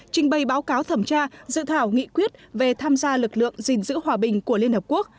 trình bày báo cáo thẩm tra dự thảo nghị quyết về tham gia lực lượng gìn giữ hòa bình của liên hợp quốc